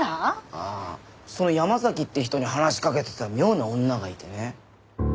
ああその山崎って人に話しかけてた妙な女がいてね。